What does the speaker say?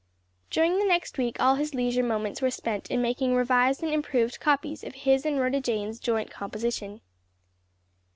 During the next week all his leisure moments were spent in making revised and improved copies of his and Rhoda Jane's joint composition.